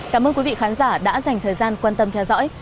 cảm ơn quý vị khán giả đã dành thời gian quan tâm theo dõi